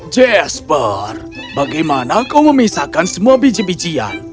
jasper bagaimana kau memisahkan semua biji bijian